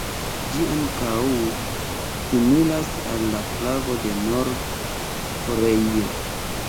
Ĝi ankaŭ similas al la flago de Nord-Koreio.